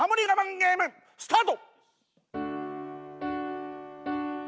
ゲームスタート